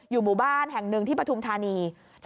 หมู่บ้านแห่งหนึ่งที่ปฐุมธานี